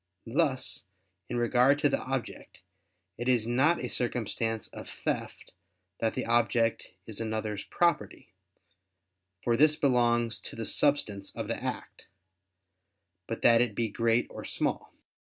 Thus, in regard to the object, it is not a circumstance of theft that the object is another's property, for this belongs to the substance of the act; but that it be great or small.